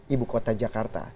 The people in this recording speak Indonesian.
ibu kota jakarta